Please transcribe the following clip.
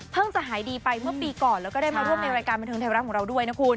จะหายดีไปเมื่อปีก่อนแล้วก็ได้มาร่วมในรายการบันเทิงไทยรัฐของเราด้วยนะคุณ